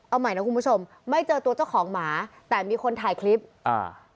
เอาใหม่นะคุณผู้ชมไม่เจอตัวเจ้าของหมาแต่มีคนถ่ายคลิปอ่า